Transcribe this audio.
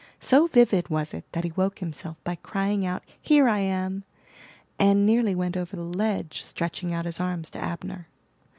So vivid was it that he woke himself by crying out, "Here I am!" and nearly went over the ledge, stretching out his arms to Abner.